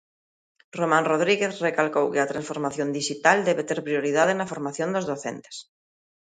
Román Rodríguez recalcou que a transformación dixital debe ter prioridade na formación dos docentes.